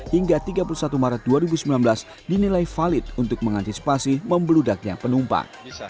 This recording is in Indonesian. hingga tiga puluh satu maret dua ribu sembilan belas dinilai valid untuk mengantisipasi membeludaknya penumpang